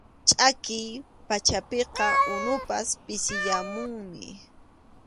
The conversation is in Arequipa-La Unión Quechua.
Chʼakiy pachapiqa unupas pisiyamunmi.